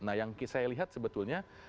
nah yang saya lihat sebetulnya